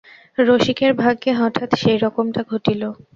রসিকের ভাগ্যে হঠাৎ সেইরকমটা ঘটিল।